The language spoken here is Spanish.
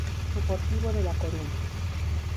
Deportivo de La Coruña.